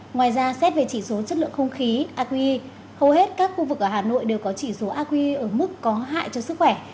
ngoài ra xét về chỉ số chất lượng không khí aqi hầu hết các khu vực ở hà nội đều có chỉ số aqi ở mức có hại cho sức khỏe